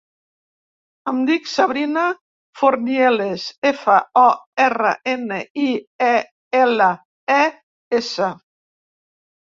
Em dic Sabrina Fornieles: efa, o, erra, ena, i, e, ela, e, essa.